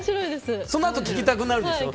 そのあと聞きたくなるでしょ。